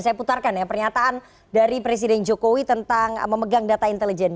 saya putarkan ya pernyataan dari presiden jokowi tentang memegang data intelijen